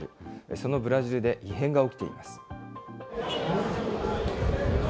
そのブラジルで異変が起きています。